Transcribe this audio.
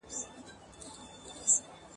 په دې ډنډ کي نوري نه سو لمبېدلای ..